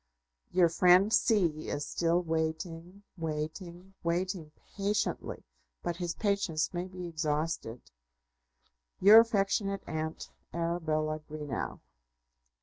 Your friend C. is still waiting waiting waiting, patiently; but his patience may be exhausted. Your affectionate aunt, ARABELLA GREENOW.